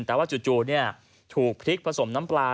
แต่ว่าจู่ถูกพริกผสมน้ำปลา